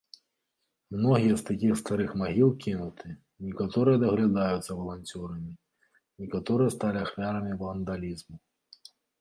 Многія з такіх старых магіл кінуты, некаторыя даглядаюцца валанцёрамі, некаторыя сталі ахвярамі вандалізму.